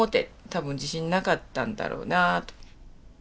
たぶん自信なかったんだろうなあと。